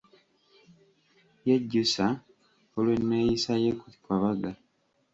Yejjusa olw'enneeyisa ye ku kabaga.